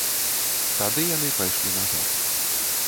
Тады яны пайшлі назад.